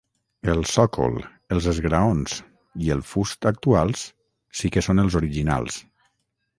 El sòcol, els esgraons i el fust actuals sí que són els originals.